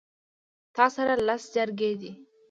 تاسره لس چرګې دي